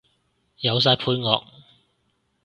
有晒配樂